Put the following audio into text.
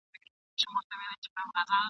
د لېوه داړو ته ځان مي وو سپارلی ..